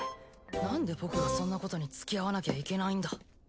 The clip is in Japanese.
なんで僕がそんなことにつきあわなきゃいけないんだ。